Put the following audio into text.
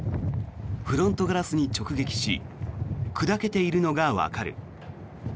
フロントガラスに直撃し砕けているのがわかる。